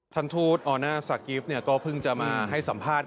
ทูตออน่าซากิฟต์ก็เพิ่งจะมาให้สัมภาษณ์